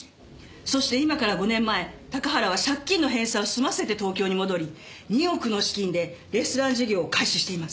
そして今から５年前高原は借金の返済を済ませて東京に戻り２億の資金でレストラン事業を開始しています。